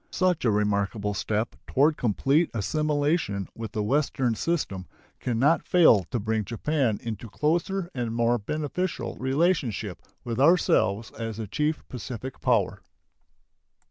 Such a remarkable step toward complete assimilation with the Western system can not fail to bring Japan into closer and more beneficial relationship with ourselves as the chief Pacific power.